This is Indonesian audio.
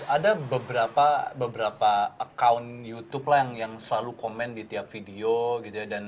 ada beberapa account youtube lah yang selalu komen di tiap video gitu ya